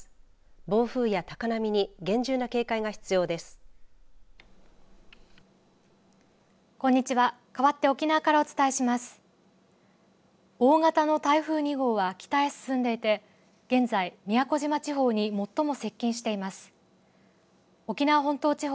暴風や高波に厳重な警戒が必要です。